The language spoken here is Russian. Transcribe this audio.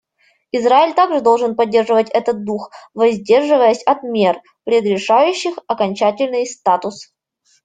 Израиль также должен поддерживать этот дух, воздерживаясь от мер, предрешающих окончательный статус.